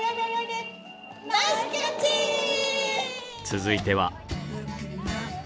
続いては。